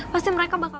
pasti mereka bakal